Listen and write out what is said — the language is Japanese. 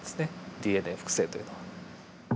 ＤＮＡ複製というのは。